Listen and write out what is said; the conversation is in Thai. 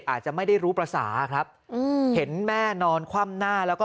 อาจจะไม่ได้รู้ภาษาครับอืมเห็นแม่นอนคว่ำหน้าแล้วก็